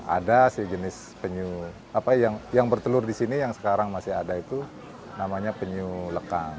ada si jenis penyu apa yang bertelur di sini yang sekarang masih ada itu namanya penyu lekang